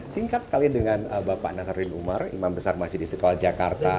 singkat sekali dengan bapak nasar bin umar imam besar masih di sekolah jakarta